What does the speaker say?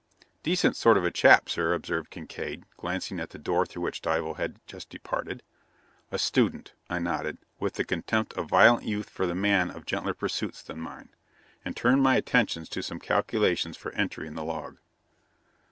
"Decent sort of a chap, sir," observed Kincaide, glancing at the door through which Dival had just departed. "A student," I nodded, with the contempt of violent youth for the man of gentler pursuits than mine, and turned my attentions to some calculations for entry in the log.